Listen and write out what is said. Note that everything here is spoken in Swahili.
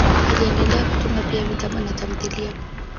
Aliendelea kutunga pia vitabu na tamthiliya.